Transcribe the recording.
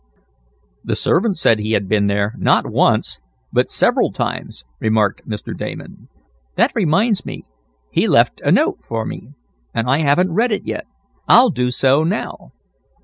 "The servant said he had been there, not once, but several times," remarked Mr. Damon. "That reminds me. He left a note for me, and I haven't read it yet. I'll do so now."